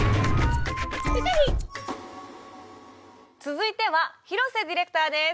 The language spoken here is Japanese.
続いては廣瀬ディレクターです。